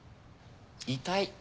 痛い。